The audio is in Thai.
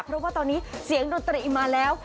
เพราะว่าตอนนี้เสียงดนตรีมาแล้ว